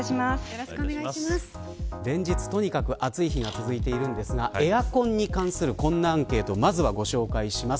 連日、とにかく暑い日が続いていますがエアコンに関するこんなアンケートを紹介します。